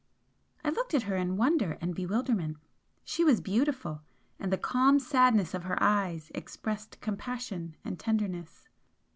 I looked at her in wonder and bewilderment. She was beautiful and the calm sadness of her eyes expressed compassion and tenderness.